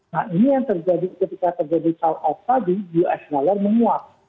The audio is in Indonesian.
nah ini yang terjadi ketika terjadi call off tadi us dollar menguap